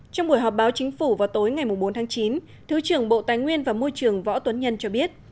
trong buổi họp báo chính phủ vào tối ngày bốn tháng chín thứ trưởng bộ tài nguyên và môi trường võ tuấn nhân cho biết